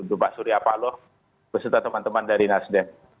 itu pak surya palo beserta teman teman dari nasdem